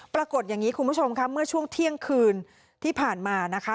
ปรากฏอย่างนี้คุณผู้ชมค่ะเมื่อช่วงเที่ยงคืนที่ผ่านมานะคะ